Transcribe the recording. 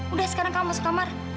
udah sekarang kamu masuk kamar